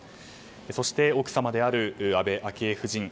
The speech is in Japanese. そして、奥様である安倍昭恵夫人。